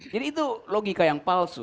jadi itu logika yang palsu